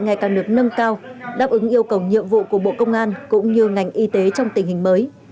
ngày càng được nâng cao đáp ứng yêu cầu nhiệm vụ của bộ công an cũng như ngành y tế trong tình hình mới